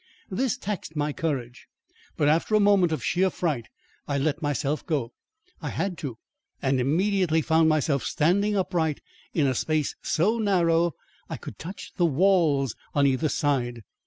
This taxed my courage; but after a moment of sheer fright, I let myself go I had to and immediately found myself standing upright in a space so narrow I could touch the walls on either side.